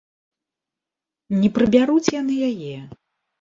Не прыбяруць яны яе!